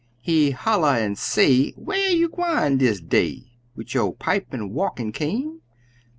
He holla an' say, "Whar you gwine dis day, Wid yo' pipe an' walkin' cane?"